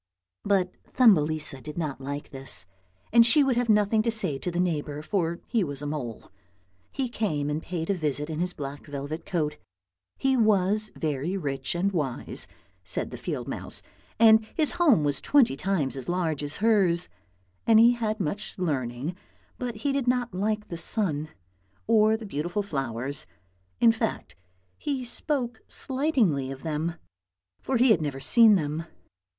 But Thumbelisa did not like this, and she would have nothing to say to the neighbour, for he was a mole. He came and paid a visit in his black velvet coat. He was very rich and wise, said the field mouse, and his home was twenty times as large as hers; and he had much learning, but he did not like the sun or the beautiful flowers, in fact he spoke slightingly of them, for he had never seen them.